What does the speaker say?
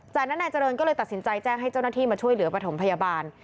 จากนั้นนายเจริญก็เลยตัดสินใจแจ้งให้เจ้าหน้าที่มาช่วยเหลือประถมพยาบาล